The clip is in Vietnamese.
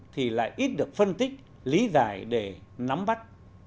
thì lại ít được phân tích lý giải để nắm bắt